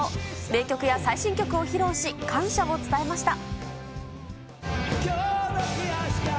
名曲や最新曲を披露し、感謝を伝えました。